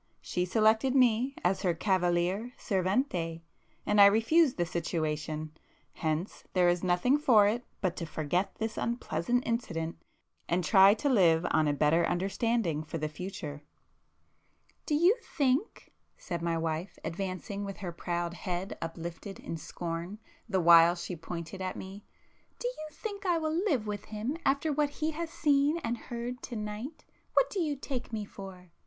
—she selected me as her cavaliere servente, and I refused the situation,—hence there is nothing for it but to forget this unpleasant incident, and try to live on a better understanding for the future——" "Do you think"—said my wife, advancing with her proud head uplifted in scorn, the while she pointed at me—"Do you think I will live with him after what he has seen and heard to night? What do you take me for?"